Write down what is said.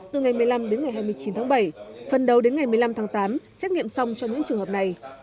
từ ngày một mươi năm đến ngày hai mươi chín tháng bảy phần đầu đến ngày một mươi năm tháng tám xét nghiệm xong cho những trường hợp này